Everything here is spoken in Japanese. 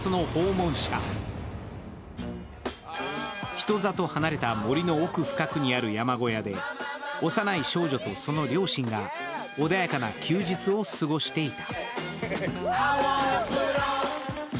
人里はなれた森の奥深くにある山小屋で幼い少女とその両親が穏やかな休日を過ごしていた。